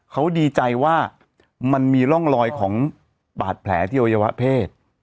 เขาดีใจว่ามันมีร่องรอยของบาดแผลที่อวัยวะเพศ